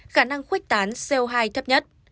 khả năng khuếch tán co hai thấp nhất